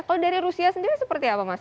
kalau dari rusia sendiri seperti apa mas